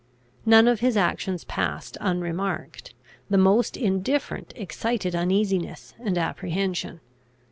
None of his actions passed unremarked; the most indifferent excited uneasiness and apprehension.